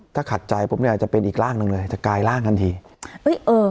ถ้าขัดใจปุ๊บเนี้ยจะเป็นอีกร่างหนึ่งเลยจะกายร่างทันทีเอ้ยเออ